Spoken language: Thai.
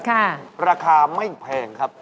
ค่ะราคาไม่แพงครับครับ